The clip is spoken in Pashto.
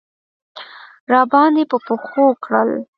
راباندې په پښو کړل.